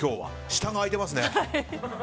下が開いてますね。